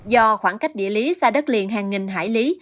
do khoảng cách địa lý xa đất liền hàng nghìn hải lý